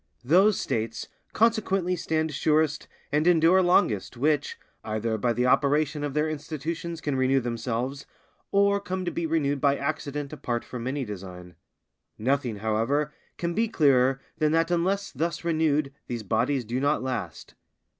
Those States consequently stand surest and endure longest which, either by the operation of their institutions can renew themselves, or come to be renewed by accident apart from any design. Nothing, however, can be clearer than that unless thus renewed these bodies do not last.